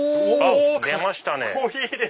出ましたね。